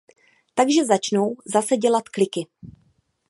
Takže začnou zase dělat kliky.